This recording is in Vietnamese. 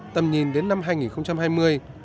tầm nhìn đến năm hai nghìn hai mươi